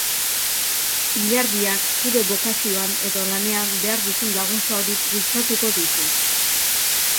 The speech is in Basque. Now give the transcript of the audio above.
Ilargiak zure bokazioan edo lanean behar duzun laguntza hori bultzatuko dizu.